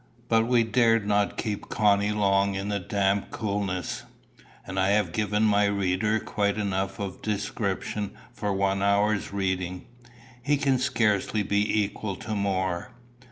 But we dared not keep Connie long in the damp coolness; and I have given my reader quite enough of description for one hour's reading. He can scarcely be equal to more.